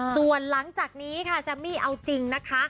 ส่วนหลังจากนี้ค่ะแซมมี่เอาจริงนะคะ